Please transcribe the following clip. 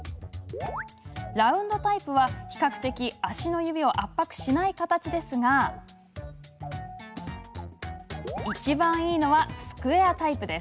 ラウンドタイプは比較的足の指を圧迫しない形ですがいちばんいいのはスクエアタイプ。